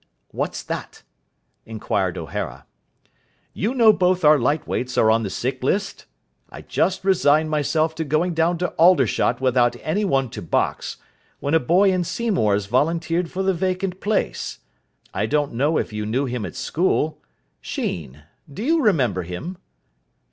"What's that?" inquired O'Hara. "You know both our light weights are on the sick list? I had just resigned myself to going down to Aldershot without any one to box, when a boy in Seymour's volunteered for the vacant place. I don't know if you knew him at school? Sheen. Do you remember him?"